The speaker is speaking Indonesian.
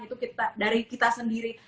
itu dari kita sendiri